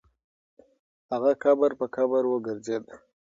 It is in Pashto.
هغه قبر په قبر وګرځېد.